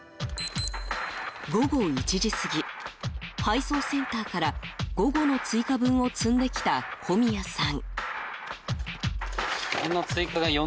午後１時過ぎ配送センターから午後の追加分を積んできた小宮さん。